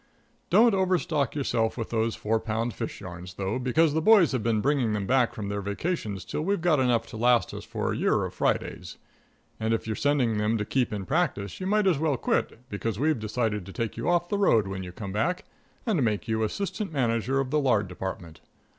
Don't overstock yourself with those four pound fish yarns, though, because the boys have been bringing them back from their vacations till we've got enough to last us for a year of Fridays. And if you're sending them to keep in practice, you might as well quit, because we've decided to take you off the road when you come back, and make you assistant manager of the lard department.